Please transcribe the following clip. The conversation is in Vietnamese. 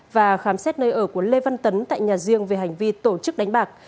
và khám xét nơi ở của lê văn tấn tại nhà riêng về hành vi tổ chức đánh bạc